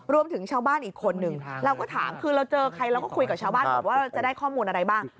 รวมถึงชาวบ้านอีกคนนึงเราก็ถามคือเราเจอใครเราก็คุยกับชาวบ้านบอกว่าจะได้ข้อมูลอะไรบ้าง